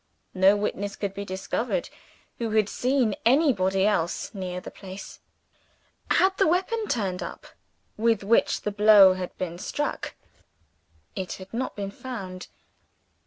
No witness could be discovered who had seen anybody else near the place. Had the weapon turned up, with which the blow had been struck? It had not been found.